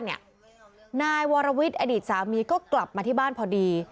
นายวรวิทย์อดีตสามีก็กลับมาที่บ้านพอดี